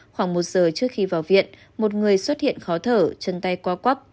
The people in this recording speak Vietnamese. khoảng một giờ trước khi vào viện một người xuất hiện khó thở chân tay quá quắp